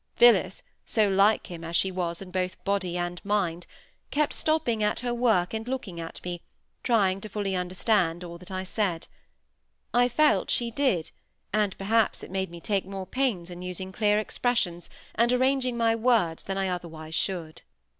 Phillis—so like him as she was both in body and mind—kept stopping at her work and looking at me, trying to fully understand all that I said. I felt she did; and perhaps it made me take more pains in using clear expressions, and arranging my words, than I otherwise should.